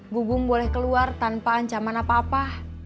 gugung boleh keluar tanpa ancaman apa apa